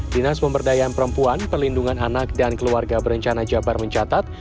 dinas pemberdayaan perempuan perlindungan anak dan keluarga berencana jabar mencatat